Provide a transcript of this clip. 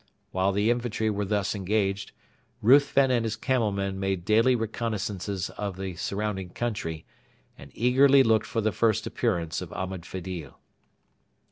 While the infantry were thus engaged, Ruthven and his camel men made daily reconnaissances of the surrounding country, and eagerly looked for the first appearance of Ahmed Fedil.